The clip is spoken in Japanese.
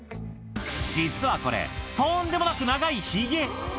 実はこれ、とーんでもなく長いひげ。